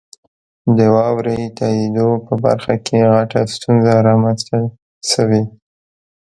د واورئ تائیدو په برخه کې غټه ستونزه رامنځته شوي.